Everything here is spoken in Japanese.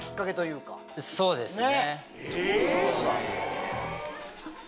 そうですね。